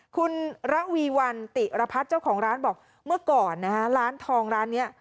คุณระวีวันติรพัฒน์เจ้าของร้านบอกเมื่อก่อนนะฮะร้านทองร้านนี้